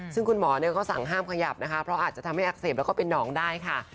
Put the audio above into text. ซึ่งคุณหมอก็สั่งห้ามขยับนะคะเพราะอาจจะทำให้อักเสบแล้วก็เป็นน้องได้ค่ะ